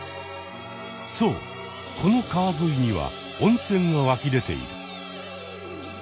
そうこの川沿いには温泉がわき出ている。